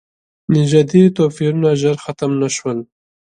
نژادي توپیرونه ژر ختم نه شول.